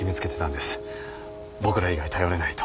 僕ら以外頼れないと。